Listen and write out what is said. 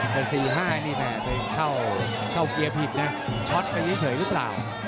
แต่๔๕นี่แม่ไปเข้าเกียร์ผิดนะช็อตไปเฉยหรือเปล่า